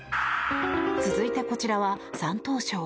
続いて、こちらは山東省。